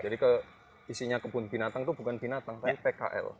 jadi kebun binatang itu bukan binatang tapi pkl